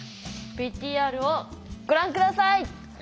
ＶＴＲをご覧下さい！